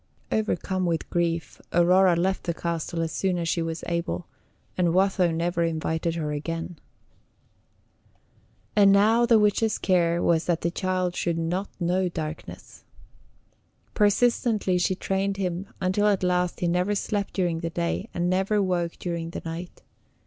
Overcome with grief, Aurora left the castle as soon as she was able, and Watho never invited her again. [Illustration: "ALL DAY HE BASKED IN THE FULL SPLENDOR OF THE SUN."] And now the witch's care was that the child should not know darkness. Persistently she trained him, until at last he never slept during the day, and never woke during the night.